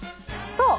そう！